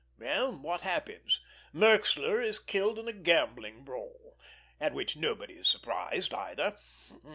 Well, what happens? Merxler is killed in a gambling brawl—at which nobody is surprised, either!